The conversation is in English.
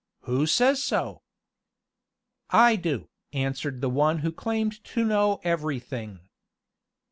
"Who says so?" "I do," answered the one who claimed to know everything.